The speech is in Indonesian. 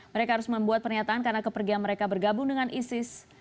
mereka harus membuat pernyataan karena kepergian mereka bergabung dengan isis